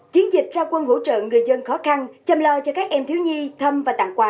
chiến dịch trao quân hỗ trợ người dân khó khăn chăm lo cho các em thiếu nhi thăm và tặng quà